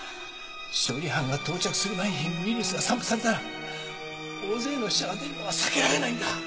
処理班が到着する前にウイルスが散布されたら大勢の死者が出るのは避けられないんだ！